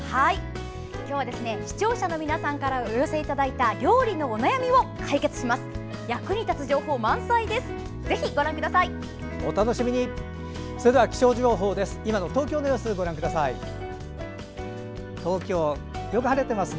今日は視聴者の皆さんからお寄せいただいた料理のお悩みを解決してまいります。